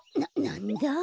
ななんだ？